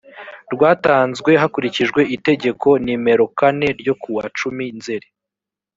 rwatanzwe hakurikijwe itegeko nimero kane ryo kuwa cumi nzeri